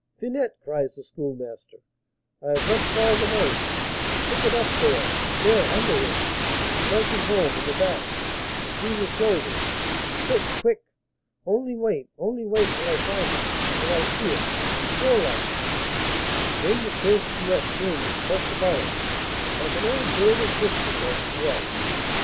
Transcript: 'Finette,' cries the Schoolmaster, 'I have let fall the knife; pick it up, there, there, under him, and strike him home, in the back, between the shoulders; quick! quick!' 'Only wait, only wait till I find it, till I see it, fourline.' And then the cursed Chouette turned and poked about us, like an old bird of mischief as she was.